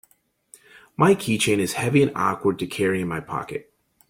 My keychain is heavy and awkward to carry in my pocket.